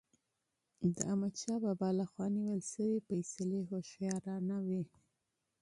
د احمدشاه بابا له خوا نیول سوي فيصلي هوښیارانه وي.